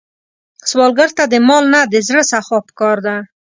سوالګر ته د مال نه، د زړه سخا پکار ده